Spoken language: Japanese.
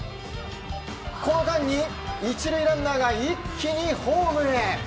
この間に１塁ランナーが一気にホームへ。